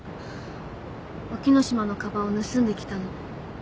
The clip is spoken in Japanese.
沖野島のかばんを盗んできたの。